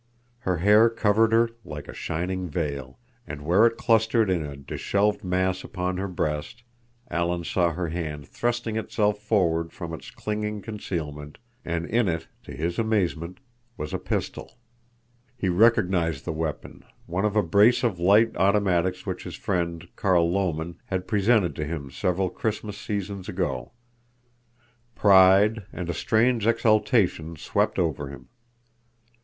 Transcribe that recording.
Her hair covered her like a shining veil, and where it clustered in a disheveled mass upon her breast Alan saw her hand thrusting itself forward from its clinging concealment, and in it—to his amazement—was a pistol. He recognized the weapon—one of a brace of light automatics which his friend, Carl Lomen, had presented to him several Christmas seasons ago. Pride and a strange exultation swept over him.